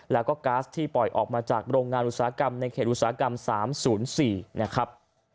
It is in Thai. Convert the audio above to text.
แล้วก็ก๊าซที่ปล่อยออกมาจากโรงงานอุตสาหกรรมในเขตอุตสาหกรรม๓๐๔นะครับ